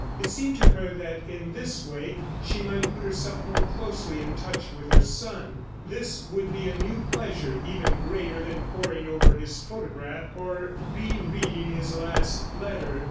It seemed to her that in this way she might put herself more closely in touch with her son. This would be a new pleasure, even greater than poring over his photograph or re reading his last letter.